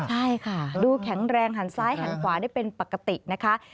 ใช่ค่ะดูแข็งแรงหันซ้ายหันขวาได้เป็นปกตินะคะ